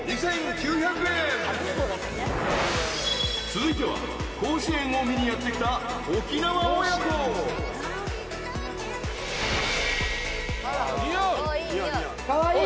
［続いては甲子園を見にやって来た沖縄親子］・カワイイ。